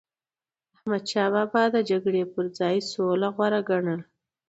احمدشاه بابا به د جګړی پر ځای سوله غوره ګڼله.